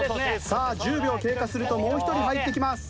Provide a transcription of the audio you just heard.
さあ１０秒経過するともう１人入ってきます。